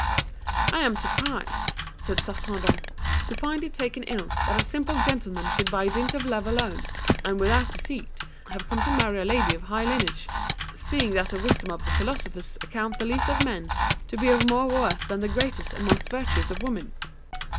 "I am surprised," said Saffredent, "to find it taken ill that a simple gentleman should by dint of love alone, and without deceit, have come to marry a lady of high lineage, seeing that the wisdom of the philosophers accounts the least of men to be of more worth than the greatest and most virtuous of women."